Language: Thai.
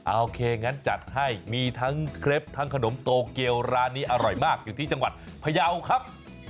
โอเคงั้นจัดให้มีทั้งเคล็บทั้งขนมโตเกียวร้านนี้อร่อยมากอยู่ที่จังหวัดพยาวครับ